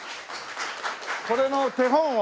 これの手本を。